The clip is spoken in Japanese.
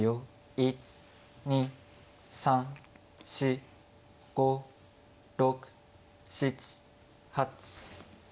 １２３４５６７８。